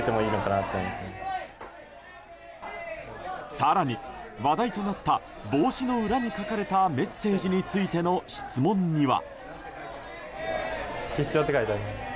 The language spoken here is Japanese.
更に、話題となった帽子の裏に書かれたメッセージについての質問には。